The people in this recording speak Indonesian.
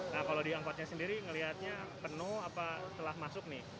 nah kalau di angkotnya sendiri ngelihatnya penuh apa telah masuk nih